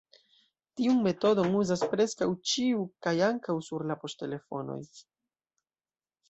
Tiun metodon uzas preskaŭ ĉiu kaj ankaŭ sur la poŝtelefonoj.